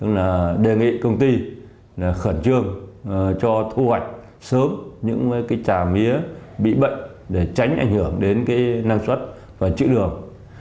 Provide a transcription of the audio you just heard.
tức là đề nghị công ty khẩn trương cho thu hoạch sớm những trà mía bị bệnh để tránh ảnh hưởng đến năng suất và chữ đường